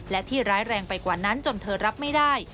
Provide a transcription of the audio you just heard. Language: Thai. และที่ร้ายแรงไปกว่านั้นจนเธอรับไม่ได้